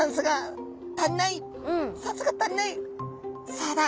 そうだ。